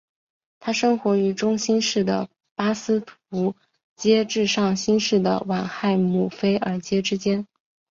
它生活于中新世的巴斯图阶至上新世的晚亥姆菲尔阶之间。